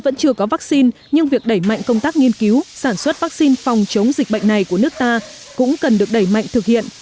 vẫn chưa có vaccine nhưng việc đẩy mạnh công tác nghiên cứu sản xuất vaccine phòng chống dịch bệnh này của nước ta cũng cần được đẩy mạnh thực hiện